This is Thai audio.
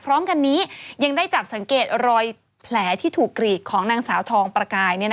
พร้อมกันนี้ยังได้จับสังเกตรอยแผลที่ถูกกรีดของนางสาวทองประกาย